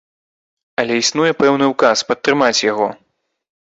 Але існуе пэўны ўказ, падтрымаць яго.